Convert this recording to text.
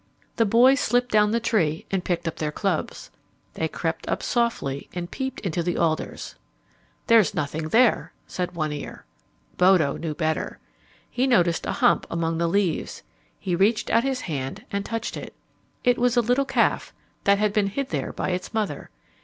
The boys slipped down the tree and picked up their clubs. They crept up softly and peeped into the alders. "There's nothing there," said One Ear. Bodo knew better. He noticed a hump among the leaves. He reached out his hand and touched it. It was a little calf that had been hid there by its mother.